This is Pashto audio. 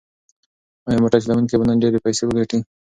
ایا موټر چلونکی به نن ډېرې پیسې وګټي؟